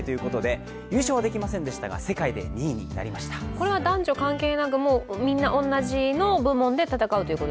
これは男女関係なく、みんな同じ部門で戦うということ？